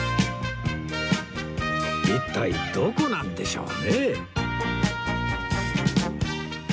一体どこなんでしょうね？